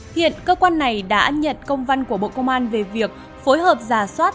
hiện cơ quan này đã nhận công văn của bộ công an về việc phối hợp giả soát